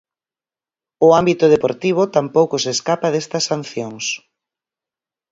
O ámbito deportivo tampouco se escapa destas sancións.